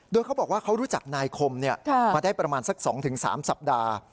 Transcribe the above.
โดยเขาบอกว่าเขารู้จักนายคมมาได้ประมาณสัก๒๓สัปดาห์